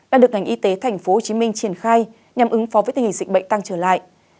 đã được ngành y tế tp hcm triển khai nhằm ứng phó với tình hình dịch bệnh tăng trở lại